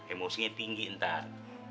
emosinya tinggi ntar